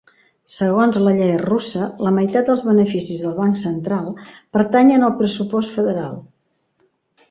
Segons la llei russa, la meitat dels beneficis del Banc Central pertanyen al pressupost federal.